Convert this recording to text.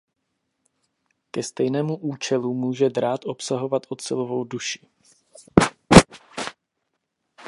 Ke stejnému účelu může drát obsahovat ocelovou duši.